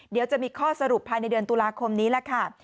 เดี๋ยวจะมีข้อสรุปภายในเดือนตุลาคมนี้แหละค่ะ